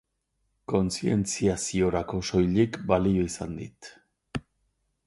Kontzientziaziorako soilik balio izan dit.